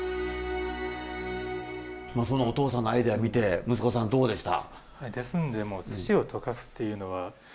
そのお父さんのアイデア見て息子さんどうでした？